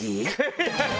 ハハハハ！